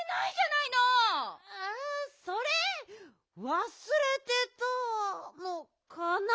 あそれわすれてたのかな？